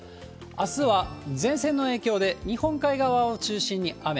あすは前線の影響で、日本海側を中心に雨。